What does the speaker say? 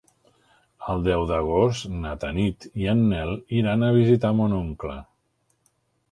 El deu d'agost na Tanit i en Nel iran a visitar mon oncle.